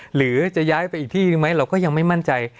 หรือจะย้ายไปอีกที่หนึ่งไหมเราก็ยังไม่มั่นใจ